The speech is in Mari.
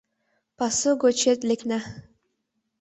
Пасу гочет лекна